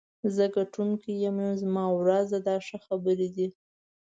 زه ګټونکی یم، نن زما ورځ ده دا ښه خبرې دي.